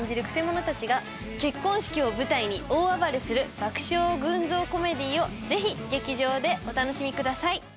くせ者達が結婚式を舞台に大暴れする爆笑群像コメディーをぜひ劇場でお楽しみください